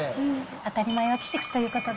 当たり前は奇跡ということで。